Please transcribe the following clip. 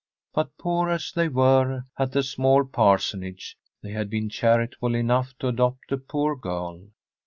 But poor as they were at the small parsonage, they had been charitable enough to adopt a poor girl.